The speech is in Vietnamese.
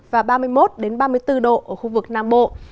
và ba mươi một ba mươi bốn độ ở khu vực nam bộ